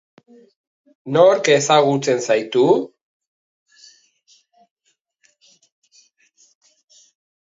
Nork ezagutzen zaitu?